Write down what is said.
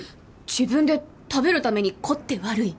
自分で食べるために凝って悪い？